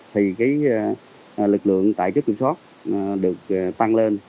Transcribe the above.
thì lực lượng tại chốt kiểm soát được tăng lên